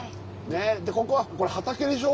ここはこれ畑でしょ？